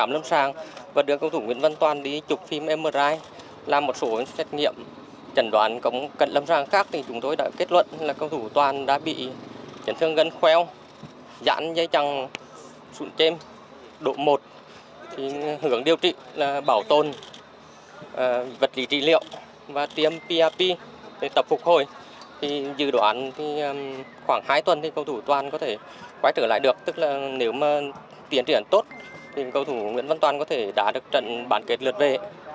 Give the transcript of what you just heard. quay trở lại được tức là nếu mà tiến triển tốt thì cầu thủ nguyễn văn toàn có thể đá được trận bán kết lượt về